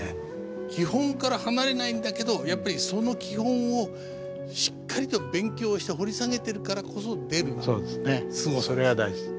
基本から離れないんだけどやっぱりその基本をしっかりと勉強して掘り下げてるからこそ出るすごさですね。